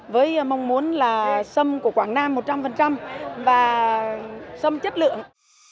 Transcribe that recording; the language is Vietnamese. với mong muốn là sâm của quảng nam một trăm linh và xâm chất lượng